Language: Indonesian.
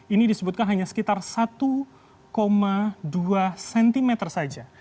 ini disebutkan hanya sekitar satu dua cm saja